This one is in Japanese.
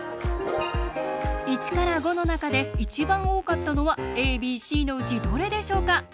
１から５の中で一番多かったのはＡＢＣのうちどれでしょうか？